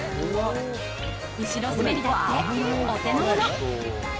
後ろ滑りだってお手の物。